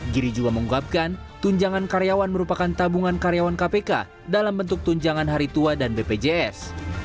giri juga mengungkapkan tunjangan karyawan merupakan tabungan karyawan kpk dalam bentuk tunjangan hari tua dan bpjs